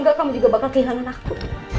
kalau jangan juga bakal kehilangan aku